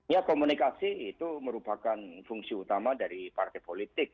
ya komunikasi itu merupakan fungsi utama dari partai politik